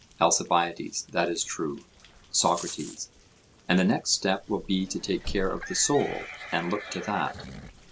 ALCIBIADES: That is true. SOCRATES: And the next step will be to take care of the soul, and look to that?